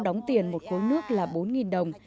đóng tiền một cối nước là bốn đồng